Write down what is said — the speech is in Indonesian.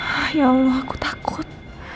hah ya allah aku takut